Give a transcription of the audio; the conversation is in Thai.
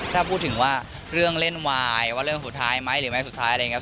ถ้าพูดถึงว่าเรื่องเล่นวายว่าเรื่องสุดท้ายไหมหรือไม่สุดท้ายอะไรอย่างนี้